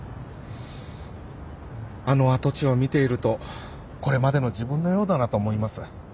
あの跡地を見ているとこれまでの自分のようだなと思います